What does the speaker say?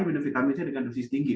minum vitamin c dengan dosis tinggi